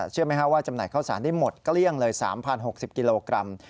เชื่อไหมครับว่าจำหน่ายข้าวสารได้หมดเกลี้ยงเลย๓๐๖๐กิโลกรัม